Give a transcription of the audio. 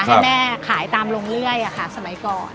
ให้แม่ขายตามลงเรื่อยสมัยก่อน